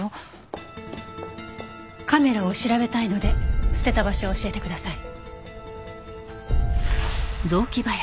カメラを調べたいので捨てた場所を教えてください。